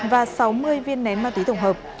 và sáu mươi viên nén ma túy tổng hợp